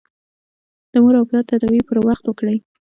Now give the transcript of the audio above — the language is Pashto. د مور او پلار تداوي پر وخت وکړئ.